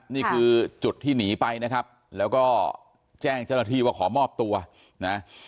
นี่คือจุดที่หนีไปนะครับแล้วก็แจ้งเจ้าหน้าที่ว่าขอมอบตัวนะ